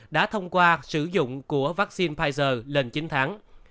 đã thông qua sử dụng của vaccine pfizer lên chín tháng